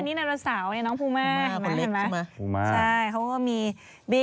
มีอันนี้ไหม